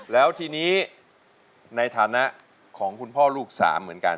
แล้วทีนี้ในฐานะของคุณพ่อลูก๓เหมือนกัน